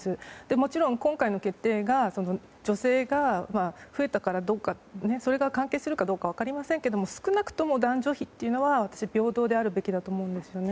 もちろん、今回の決定が女性が増えたからそれが関係するかどうか分かりませんけれども少なくとも男女比というのは私は平等であるべきだと思うんですよね。